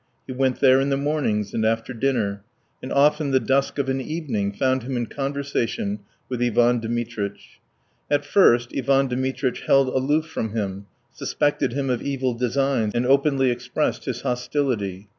He went there in the mornings and after dinner, and often the dusk of evening found him in conversation with Ivan Dmitritch. At first Ivan Dmitritch held aloof from him, suspected him of evil designs, and openly expressed his hostility.